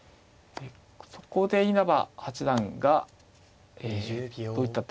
そこで稲葉八段がどういった手を指すのか。